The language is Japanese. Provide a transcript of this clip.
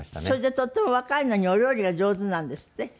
それでとっても若いのにお料理が上手なんですって？